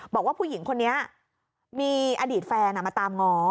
บอกว่าผู้หญิงคนนี้มีอดีตแฟนมาตามง้อ